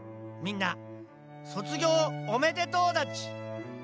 みんな卒業おめでとうだっち。